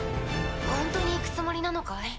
ほんとに行くつもりなのかい？